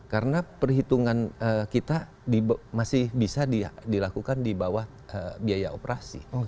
karena perhitungan kita masih bisa dilakukan di bawah biaya operasi